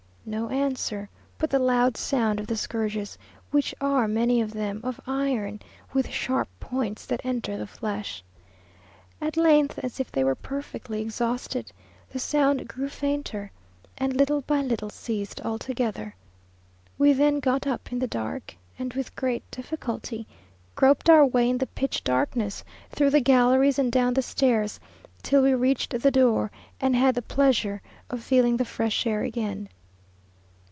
No answer, but the loud sound of the scourges, which are many of them of iron, with sharp points that enter the flesh. At length, as if they were perfectly exhausted, the sound grew fainter, and little by little ceased altogether. We then got up in the dark, and, with great difficulty, groped our way in the pitch darkness through the galleries and down the stairs, till we reached the door, and had the pleasure of feeling the fresh air again.